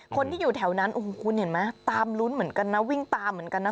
คนที่อยู่แถวนั้นโอ้โหคุณเห็นไหมตามลุ้นเหมือนกันนะวิ่งตามเหมือนกันนะ